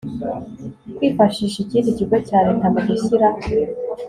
kwifashisha ikindi kigo cya leta mu gushyira